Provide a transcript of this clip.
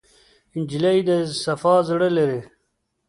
نجلۍ د صفا زړه لري.